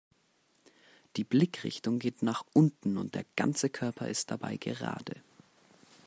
Die Blickrichtung geht nach unten und der ganze Körper ist dabei gerade.